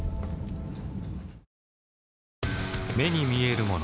目に見えるもの